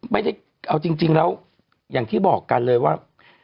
ไม่ได้เอาจริงแล้วอย่างที่บอกกันเลยว่า